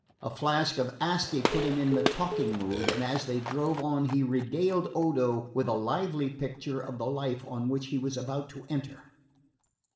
A flask of Asti put him in the talking mood, and as they drove on he regaled Odo with a lively picture of the life on which he was about to enter.